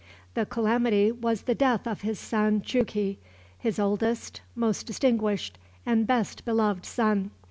This calamity was the death of his son Jughi, his oldest, most distinguished, and best beloved son.